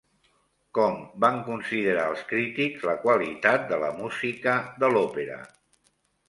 Com van considerar els crítics la qualitat de la música de l'òpera?